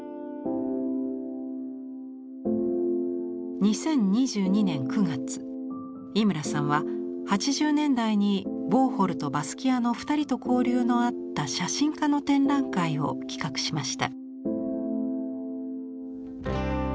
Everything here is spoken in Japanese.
２０２２年９月井村さんは８０年代にウォーホルとバスキアの２人と交流のあった写真家の展覧会を企画しました。